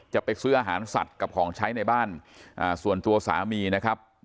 จะไปซื้ออาหารสัตว์กับของใช้ในบ้านส่วนตัวสามีนะครับ